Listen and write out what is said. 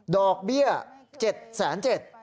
ดอกเบี้ย๗๗๐๐บาท